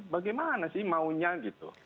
bagaimana sih maunya gitu